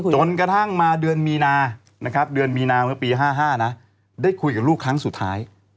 จนกระทั่งมาเดือนมีนาเมื่อปี๕๕นะได้คุยกับลูกครั้งสุดท้าย